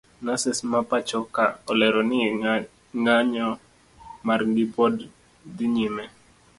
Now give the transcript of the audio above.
nurses mapachoka olero ni nganyo margi pod dhi nyime.